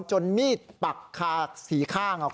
จนมีดปักขาดสี่ข้าง